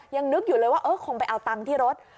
ยังนึกอยู่เลยว่าเออคงไปเอาตังค์ที่รถ